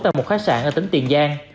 tại một khách sạn ở tỉnh tiền giang